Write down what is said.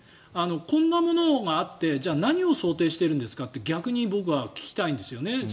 こんなものがあって何を想定しているんですかと逆に僕は聞きたいんですよね